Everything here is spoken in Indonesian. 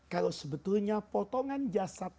kalau sebetulnya potongan jasad